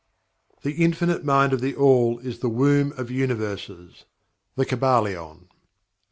"The Infinite Mind of THE ALL is the womb of Universes." The Kybalion.